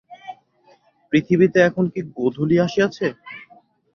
পৃথিবীতে এখন কি গোধূলি আসিয়াছে।